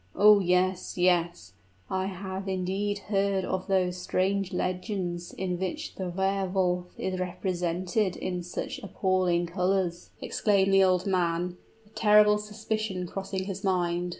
"Oh, yes yes I have indeed heard of those strange legends in which the Wehr Wolf is represented in such appalling colors!" exclaimed the old man, a terrible suspicion crossing his mind.